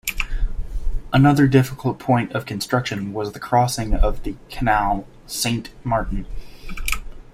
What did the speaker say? Another difficult point of construction was the crossing of the Canal Saint-Martin.